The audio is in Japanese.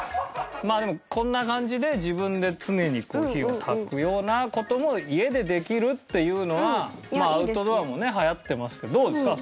まあでもこんな感じで自分で常に火を焚くような事も家でできるっていうのはアウトドアもね流行ってますけどどうですか？